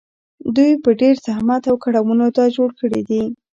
دوی په ډېر زحمت او کړاوونو دا جوړ کړي دي